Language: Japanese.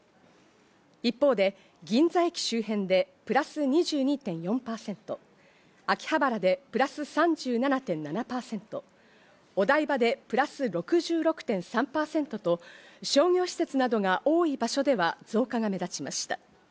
一方で、銀座駅周辺でプラス２２．４％、秋葉原でプラス３７．７％、お台場でプラス６６．３％と、商業施設などが多い場所では増加が目立ちました。